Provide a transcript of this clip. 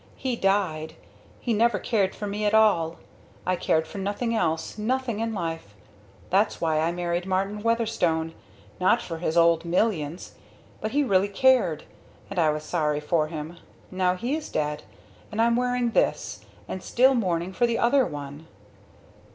He died. He never cared for me at all. I cared for nothing else nothing in life. That's why I married Martin Weatherstone not for his old millions but he really cared and I was sorry for him. Now he's dead. And I'm wearing this and still mourning for the other one."